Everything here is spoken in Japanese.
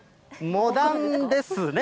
モダンですね。